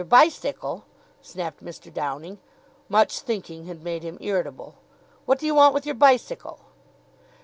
"Your bicycle?" snapped Mr. Downing. Much thinking had made him irritable. "What do you want with your bicycle?"